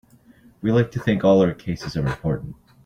We like to think all our cases are important.